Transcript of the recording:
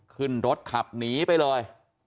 ขึ้นรถขับหนีไปเลย